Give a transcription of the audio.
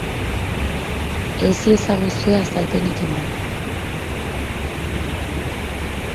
Ez iezaguzue azalpenik eman.